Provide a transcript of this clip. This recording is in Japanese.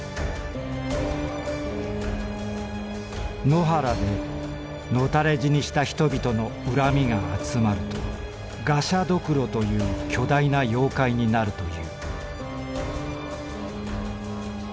「野原でのたれ死にした人びとの恨みが集まるとがしゃどくろという巨大な妖怪になるという」。